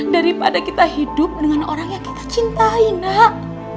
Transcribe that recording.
daripada kita hidup dengan orang yang kita cintai nak